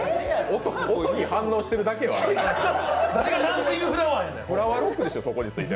音に反応してるだけよ、あなた。